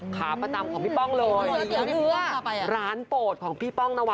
ขาประตำของพี่ป้องเลยเงินเวลาเตียงที่พี่ป้องตามไปอันโหรดของพี่ป้องนาวั